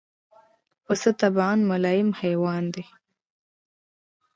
پسه د طبعاً ملایم حیوان دی.